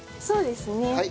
そうですね。